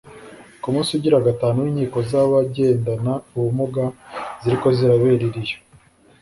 ku musi ugira gatanu w’inkino z’abagendana ubumuga ziriko zirabera I Rio